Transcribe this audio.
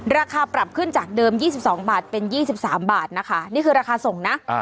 ราคาปรับขึ้นจากเดิมยี่สิบสองบาทเป็นยี่สิบสามบาทนะคะนี่คือราคาส่งนะอ่า